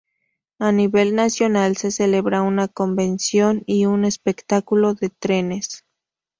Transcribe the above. A nivel nacional se celebra una convención y un espectáculo de trenes.